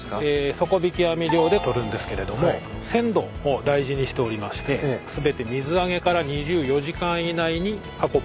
底引き網漁で捕るんですけれども鮮度を大事にしておりまして全て水揚げから２４時間以内に運ばれると。